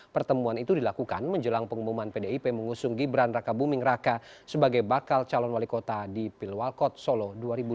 pertemuan itu dilakukan menjelang pengumuman pdip mengusung gibran raka buming raka sebagai bakal calon wali kota di pilwalkot solo dua ribu dua puluh